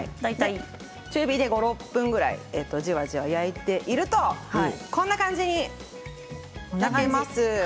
中火で５分、６分ぐらいじわじわ焼いているとこんな感じに焼けます。